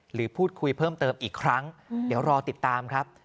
หรือพูดคุยเพิ่มเติมอีกครั้งเดี๋ยวรอติดตามครับ